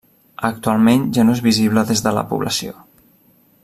Actualment, ja no és visible des de la població.